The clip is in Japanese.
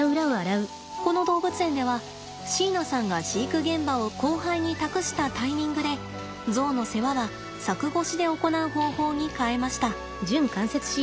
この動物園では椎名さんが飼育現場を後輩に託したタイミングでゾウの世話は柵越しで行う方法に変えました。